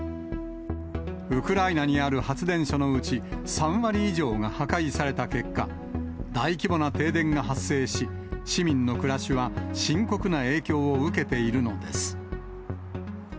ウクライナにある発電所のうち、３割以上が破壊された結果、大規模な停電が発生し、市民の暮らしは深刻な影響を受けているのです。